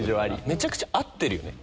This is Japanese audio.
めちゃくちゃ合ってるよね？